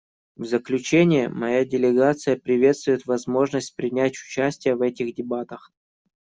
В заключение моя делегация приветствует возможность принять участие в этих дебатах.